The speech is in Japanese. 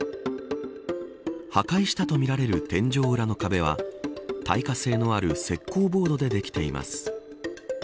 破壊したとみられる天井裏の壁は耐火性のある石こうボードでできています。